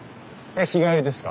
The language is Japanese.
日帰りですか？